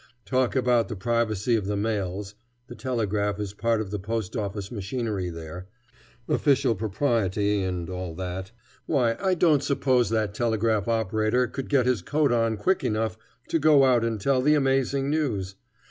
Talk about the privacy of the mails (the telegraph is part of the post office machinery there), official propriety, and all that why, I don't suppose that telegraph operator could get his coat on quick enough to go out and tell the amazing news.